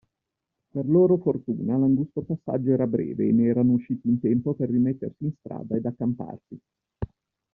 Per loro fortuna, l'angusto passaggio era breve e ne erano usciti in tempo per rimettersi in strada ed accamparsi.